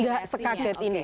tidak sekaget ini